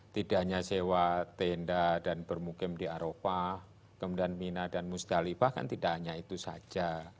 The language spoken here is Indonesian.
tidak hanya sewa tenda dan bermukim di arofah kemudian mina dan musdalifah kan tidak hanya itu saja